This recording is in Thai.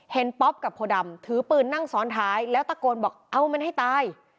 ป๊อปกับโพดำถือปืนนั่งซ้อนท้ายแล้วตะโกนบอกเอามันให้ตาย